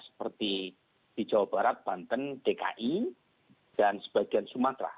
seperti di jawa barat banten dki dan sebagian sumatera